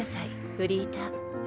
フリーター。